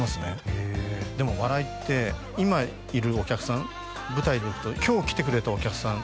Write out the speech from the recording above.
へえでも笑いって今いるお客さん舞台でいうと今日来てくれたお客さん